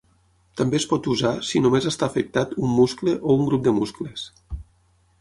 També es pot usar si només està afectat un muscle o un grup de muscles.